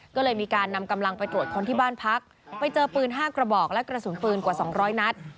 ก็เลยมีการนำกำลังไปตรวจคนที่บ้านพักไปเจอปืน๕กระบอกและกระสุนปืนกว่า๒๐๐นัด